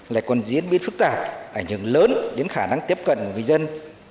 lại còn diễn biến phức tạp ở những lớn đến khả năng tiếp cận người dân